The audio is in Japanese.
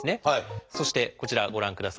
そしてこちらご覧ください。